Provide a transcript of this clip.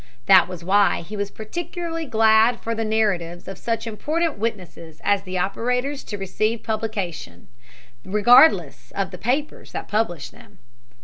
That was why he was particularly glad for the narratives of such important witnesses as the operators to receive publication, regardless of the papers that published them.